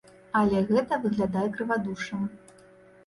Але гэта выглядае крывадушшам.